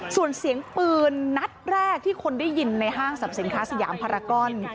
ส่วนเสียงปืนนัดแรกที่คนได้ยินในห้างสรรพสินค้าสยามภารกร